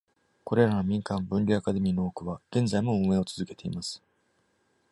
これらの民間「分離アカデミー」の多くは、現在も運営を続けています。